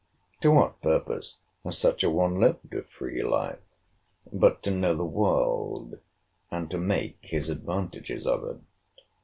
To what purpose has such a one lived a free life, but to know the world, and to make his advantages of it!